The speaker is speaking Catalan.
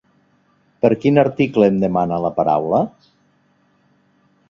Per quin article em demana la paraula?